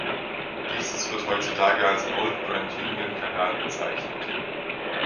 Dieses wird heutzutage als Old-Grand-Union-Kanal bezeichnet.